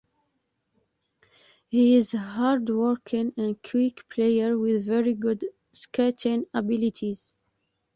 He is a hard-working and quick player with very good skating abilities.